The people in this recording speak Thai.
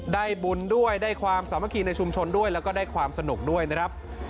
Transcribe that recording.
ได้บุญด้วยได้ความสามัคคีในชุมชนด้วยแล้วก็ได้ความสนุกด้วยนะครับ